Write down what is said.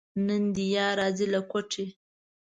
نن دې یار راځي له کوټې.